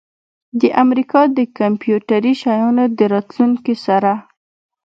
د امریکا د کمپیوټري شیانو د راتلونکي سره